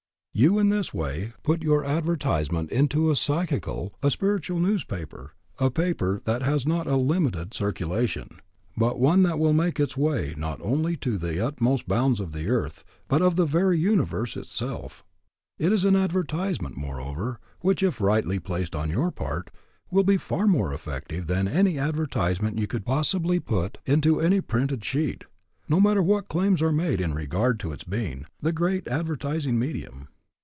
You in this way put your advertisement into a psychical, a spiritual newspaper, a paper that has not a limited circulation, but one that will make its way not only to the utmost bounds of the earth, but of the very universe itself. It is an advertisement, moreover, which if rightly placed on your part, will be far more effective than any advertisement you could possibly put into any printed sheet, no matter what claims are made in regard to its being "the great advertising medium."